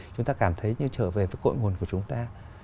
chúng ta cảm thấy như trở về với cội nguồn của chúng ta